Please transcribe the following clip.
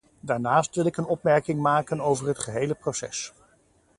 Daarnaast wil ik een opmerking maken over het gehele proces.